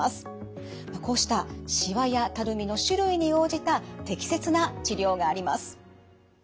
こうしたしわやたるみの種類に応じた適切な治療があります。